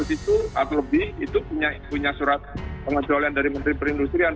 itu punya surat pengejualan dari menteri perindustrian